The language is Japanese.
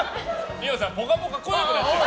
二葉さん「ぽかぽか」来なくなっちゃう。